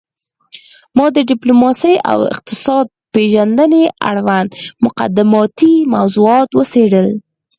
ما د ډیپلوماسي او اقتصاد پیژندنې اړوند مقدماتي موضوعات وڅیړل